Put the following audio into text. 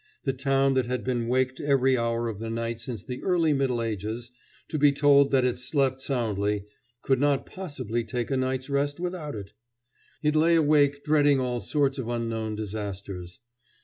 The town that had been waked every hour of the night since the early Middle Ages to be told that it slept soundly, could not possibly take a night's rest without it. It lay awake dreading all sorts of unknown disasters.